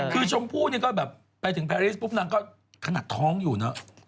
คือชมพู่นี่ก็แบบไปถึงแพรรีสปุ๊บนางก็ขนาดท้องอยู่เนอะ